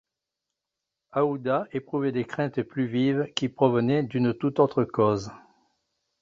Aouda éprouvait des craintes plus vives, qui provenaient d’une tout autre cause.